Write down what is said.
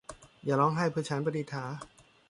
อย่าร้องไห้เพื่อฉัน - ประดิษฐา